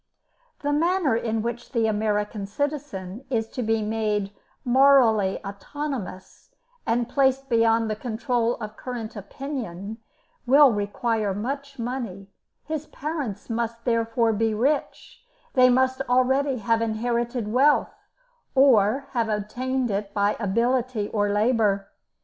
The manner in which the American citizen is to be made "morally autonomous, and placed beyond the control of current opinion," will require much money; his parents must therefore be rich; they must already have inherited wealth, or have obtained it by ability or labour.